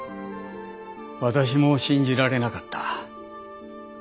私も信じられなかった。